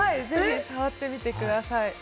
ぜひ、触ってみてください。